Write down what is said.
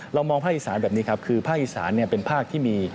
มองภาคอีสานแบบนี้ครับคือภาคอีสานเป็นภาคที่มี